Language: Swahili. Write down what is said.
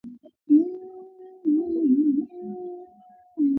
mwaka mmoja uliopita kwa lengo la kurejesha uhusiano wa kidiplomasia